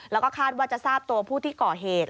แล้วก็คาดว่าจะทราบตัวผู้ที่ก่อเหตุ